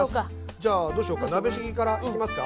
じゃあどうしようか。